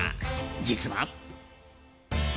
実は。